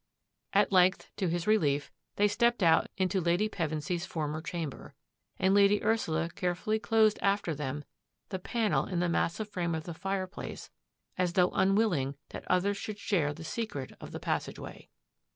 At length, to his relief, they stepped out into Lady Pevensy's former chamber, and Lady Ursula carefully closed after them the panel in the massive frame of the fireplace as though unwilling that others should share the secret of the passage way.